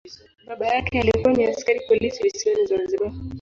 Baba yake alikuwa ni askari polisi visiwani Zanzibar.